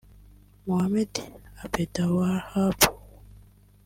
Mohamed Abdelwahab